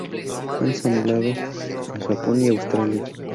Fue ensamblado en Japón y Australia.